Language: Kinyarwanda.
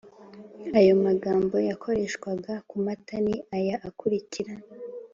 ayomagambo yakoreshwaga kumata ni aya akurikira